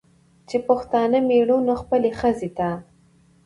چې پښتانه مېړونه خپلې ښځې ته